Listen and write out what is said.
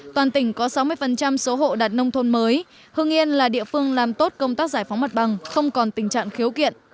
toàn tỉnh có sáu mươi số hộ đạt nông thôn mới hương yên là địa phương làm tốt công tác giải phóng mặt bằng không còn tình trạng khiếu kiện